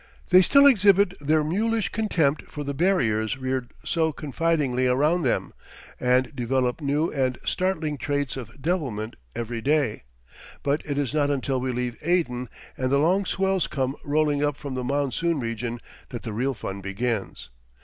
They still exhibit their mulish contempt for the barriers reared so confidingly around them, and develop new and startling traits of devilment every day; but it is not until we leave Aden, and the long swells come rolling up from the monsoon region, that the real fun begins.